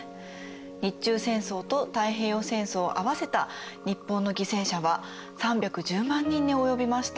日中戦争と太平洋戦争を合わせた日本の犠牲者は３１０万人に及びました。